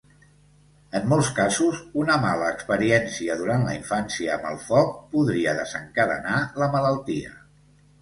En molts casos una mala experiència durant la infància amb el foc, podria desencadenar la malaltia.